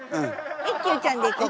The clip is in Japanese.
一休ちゃんでいこうか。